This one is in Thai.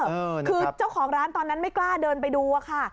คือเจ้าของร้านตอนนั้นไม่กล้าเดินไปดูอะค่ะ